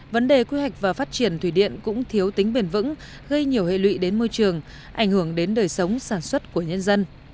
vấn đề quy hoạch và phát triển thủy điện cũng thiếu tính bền vững gây nhiều hệ lụy đến môi trường ảnh hưởng đến đời sống sản xuất của nhân dân